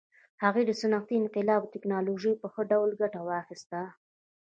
هغوی له صنعتي انقلاب او ټکنالوژۍ په ښه ډول ګټه واخیسته.